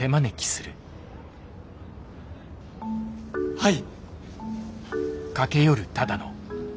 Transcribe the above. はい。